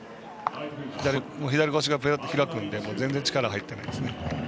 左腰が開くので全然力が入ってないですね。